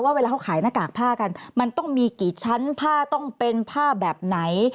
เวลาเขาขายหน้ากากผ้ากันมันต้องมีกี่ชั้นผ้าต้องเป็นผ้าแบบไหน